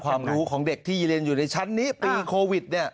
ความรู้ของเด็กที่เรียนอยู่ในชั้นนี้ปีโควิด